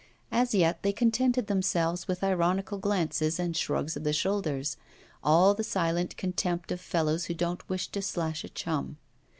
As yet they contented themselves with ironical glances and shrugs of the shoulders all the silent contempt of fellows who don't wish to slash a chum.